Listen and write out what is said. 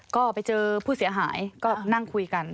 ก็ไปเจอผู้เสียหายก็นั่งคุยกัน